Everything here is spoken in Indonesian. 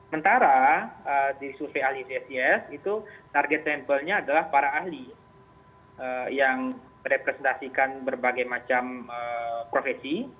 mentara di survei ahli csis itu target sampelnya adalah para ahli yang merepresentasikan berbagai macam profesi